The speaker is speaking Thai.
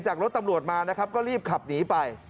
รถตำรวจมานะครับก็รีบขับหนีไป